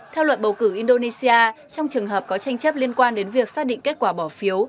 theo luận bầu cử indonesia trong trường hợp có tranh chấp liên quan đến việc xác định kết quả bỏ phiếu